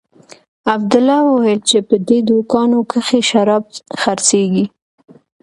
عبدالله وويل چې په دې دوکانو کښې شراب خرڅېږي.